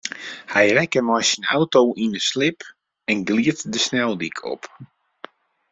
Hy rekke mei syn auto yn in slip en glied de sneldyk op.